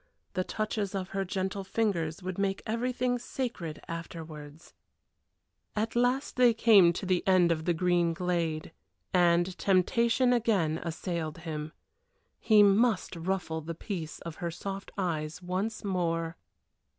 The touches of her gentle fingers would make everything sacred afterwards. At last they came to the end of the green glade and temptation again assailed him. He must ruffle the peace of her soft eyes once more.